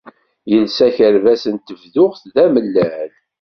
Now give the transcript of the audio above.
Yelsa akerbas n tebduɣt d amellal.